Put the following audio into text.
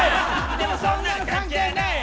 でもそんなの関係ねえ！